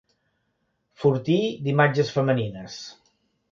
Fortí d'imatges femenines.